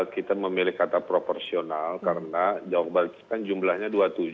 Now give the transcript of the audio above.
kita memilih kata proporsional karena jawa bali kan jumlahnya dua puluh tujuh